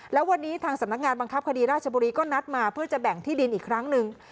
แล้ววันนี้ทางสำนักงานบังคับคดีราชบุรีก็นัดมาเพื่อจะแบ่งที่ดินอีกครั้งหนึ่ง